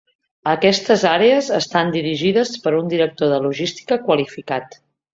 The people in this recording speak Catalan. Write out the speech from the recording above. Aquestes àrees estan dirigides per un director de logística qualificat.